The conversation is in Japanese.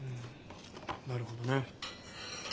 うんなるほどね。